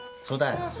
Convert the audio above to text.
そうだよ！